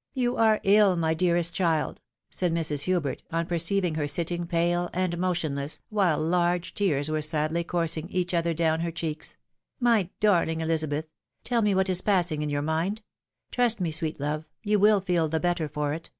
" You are ill, my dearest child !" said Mrs. Hubert, on perceiving her sitting pale and motionless, while large tears were sadly coursing each other down her cheeks ;" my darling Elizabeth ! tell me what is passing in your mind ! 'Trust me, sweet love ! you wiU feel the better for it."